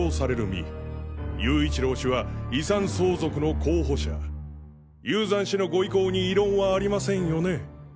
身勇一郎氏は遺産相続の候補者雄山氏のご意向に異論はありませんよね？